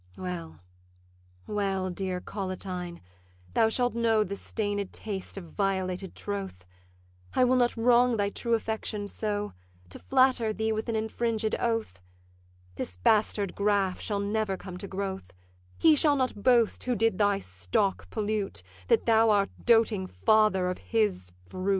'Well, well, dear Collatine, thou shalt know The stained taste of violated troth; I will not wrong thy true affection so, To flatter thee with an infringed oath; This bastard graff shall never come to growth: He shall not boast who did thy stock pollute That thou art doting father of his fruit.